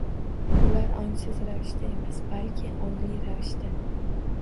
Ular ongsiz ravishda emas, balki ongli ravishda